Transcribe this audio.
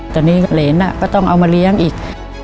ตอนนี้เหรนก็ต้องเอามาเลี้ยงอีก